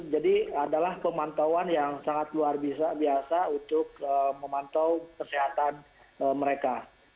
jadi adalah pemantauan yang sangat luar biasa untuk memantau kesehatan mereka